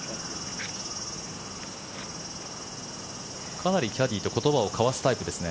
かなりキャディーと言葉を交わすタイプですね。